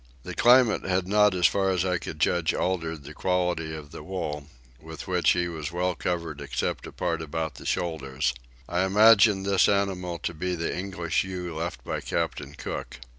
The climate had not as far as I could judge altered the quality of the wool, with which he was well covered except a part about the shoulders. I imagine this animal to be the English ewe left by Captain Cook.